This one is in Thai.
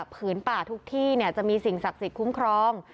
ผืนป่าทุกที่จะมีสิ่งศักดิ์สิทธิ์คุ้มครอง